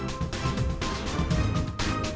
yang terdampak setelah pandemi setahun kemarin